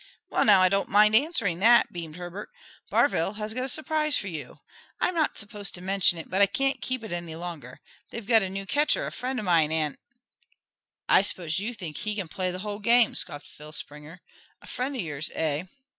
"Well, now, I don't mind answering that," beamed Herbert. "Barville has got a surprise for you. I'm not supposed to mention it, but I can't keep it any longer. They've got a new catcher, a friend of mine, and " "I suppose you think he can play the whole game," scoffed Phil Springer. "A friend of yours, eh?